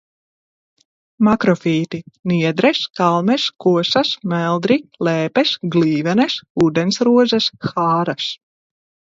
Makrofīti: niedres, kalmes, kosas, meldri, lēpes, glīvenes, ūdensrozes, hāras.